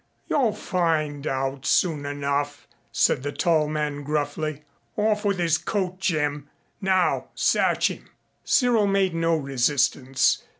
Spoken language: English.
"You'll find out soon enough," said the tall man gruffly. "Off with his coat, Jim.... Now search him." Cyril made no resistance.